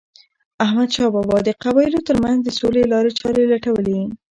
احمد شاه بابا د قبایلو ترمنځ د سولې لارې چاري لټولي.